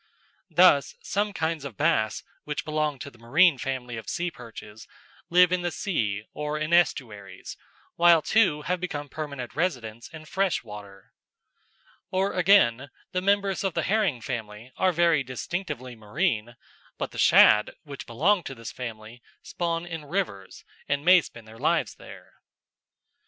Thus some kinds of bass, which belong to the marine family of sea perches, live in the sea or in estuaries, while two have become permanent residents in fresh water. Or, again, the members of the herring family are very distinctively marine, but the shad, which belong to this family, spawn in rivers and may spend their lives there.